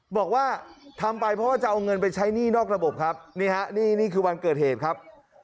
บอกว่าทำไปเพราะว่าจะเอาเงินไปใช้หนี้นอกระบบครับนี่ฮะนี่นี่คือวันเกิดเหตุครับ